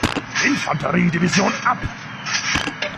Infanterie-Division ab.